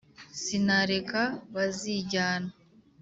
Sinareka bazijyana !